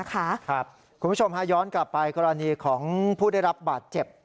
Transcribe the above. คุณผู้ชมค่ะถ้าย้อนกลับไปขณะผู้ได้รับบาดเจ็บ